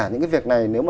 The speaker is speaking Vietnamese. những cái việc này